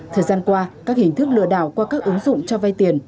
thời gian qua các hình thức lừa đảo qua các ứng dụng cho vay tiền